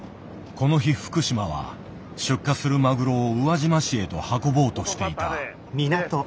この日福島は出荷するマグロを宇和島市へと運ぼうとしていた。